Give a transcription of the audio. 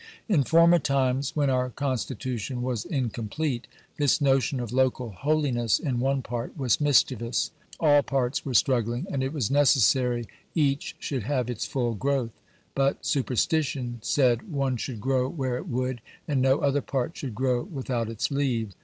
In former times, when our Constitution was incomplete, this notion of local holiness in one part was mischievous. All parts were struggling, and it was necessary each should have its full growth. But superstition said one should grow where it would, and no other part should grow without its leave.